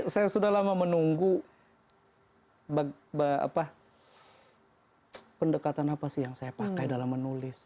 saya sudah lama menunggu pendekatan apa sih yang saya pakai dalam menulis